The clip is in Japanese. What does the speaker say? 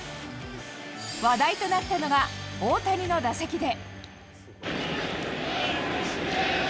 話題となったのが、大谷の打席で。